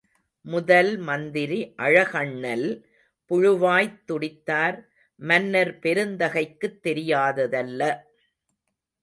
முதல் மந்திரி அழகண்ணல் புழுவாய்த் துடித்தார். மன்னர் பெருந்தகைக்குத் தெரியாததல்ல.